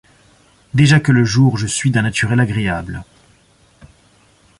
Déjà que le jour je suis d'un naturel agréable.